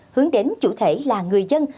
hướng đến chủ thể là người dân